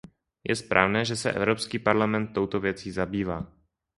Je správné, že se Evropský parlament touto věcí zabývá.